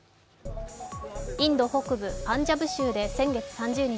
インド北部パンジャブ州で先月３０日